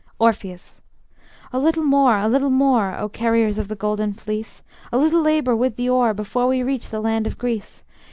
Orpheus: A little more, a little more, O carriers of the Golden Fleece, A little labor with the oar, Before we reach the land of Greece.